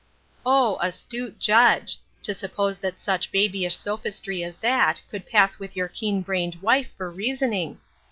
Oh, astute judge ! To suppose that such baby ish sophistry as that could pass with your keen brained wife for reasoning